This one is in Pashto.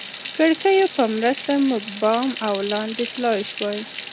کړکیو په مرسته موږ بام او لاندې تلای شوای.